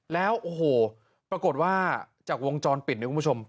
แล้วโอ้โหปรากฏว่าจากวงจรปิดเนี่ยคุณผู้ชม